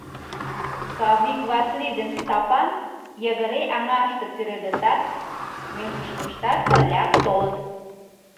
Кавик Васли ден Стапан йыгыре аҥаште тӱредытат, мӧҥгышкыштат пырляк толыт.